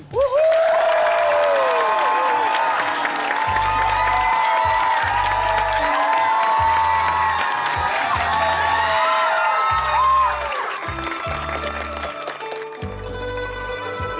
วู้ฮู้